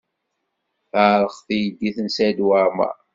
Teɛreq teydit n Saɛid Waɛmaṛ.